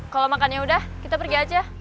kalau makannya udah kita pergi aja